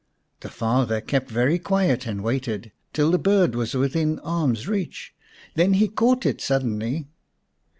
The father kept very quiet and waited till the bird was within arm's reach. Then he caught it suddenly.